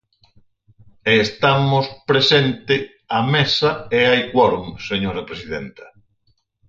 E estamos presente a Mesa e hai quórum, señora presidenta.